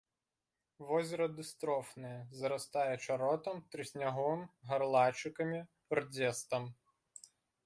Возера дыстрофнае, зарастае чаротам, трыснягом, гарлачыкамі, рдзестам.